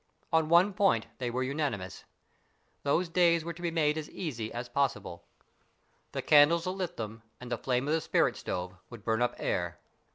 On one point they were unanimous. Those days were to be made as easy as possible. The candles that lit them, and the flame of the spirit stove, would burn up air.